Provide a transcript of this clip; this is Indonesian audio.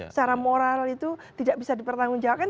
secara moral itu tidak bisa dipertanggungjawabkan